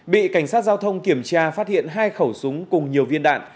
bị cảnh sát giao thông kiểm tra phát hiện hai khẩu súng cùng nhiều viên đạn